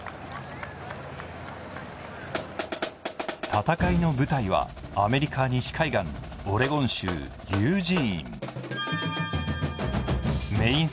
戦いの舞台は、アメリカ西海岸オレゴン州ユージーン。